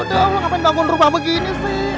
lo ngapain bangun rumah begini